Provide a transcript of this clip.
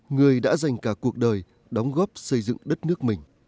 người đã dành cả cuộc đời đóng góp xây dựng đất nước mình